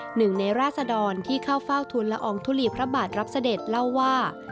หนึ่งในราศดรที่เข้าเฝ้าทุนละอองทุลีพระบาทรับเสด็จเล่าว่า